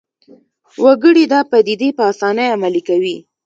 وګړي دا پدیدې په اسانۍ عملي کوي